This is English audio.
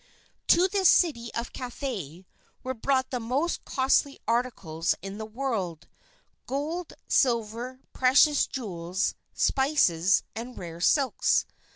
To this city of Cathay, were brought the most costly articles in the world, gold, silver, precious jewels, spices, and rare silks.